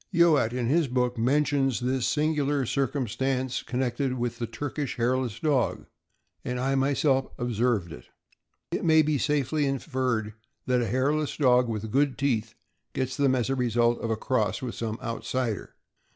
Youatt, in his book, mentions this singular circumstance connected with the Turkish hairless dog, and I myself ob served it. It may safely be inferred that a hairless dog 652 THE AMERICAN BOOK OF THE DOG. with good teeth gets them as the result of a cross with some outsider.